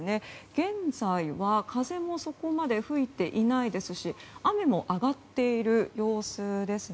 現在は風もそこまで吹いていないですし雨も上がっている様子ですね。